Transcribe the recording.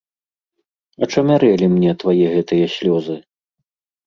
Ачамярэлі мне твае гэтыя слёзы.